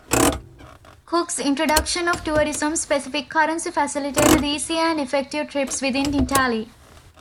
Cook's introduction of tourism-specific currency facilitated easier and effective trips within Italy.